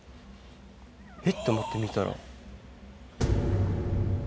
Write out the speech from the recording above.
え？って思って見たら。